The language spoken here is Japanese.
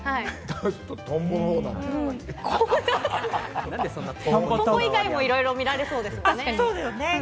トンボ以外もいろいろ見られそうですしね。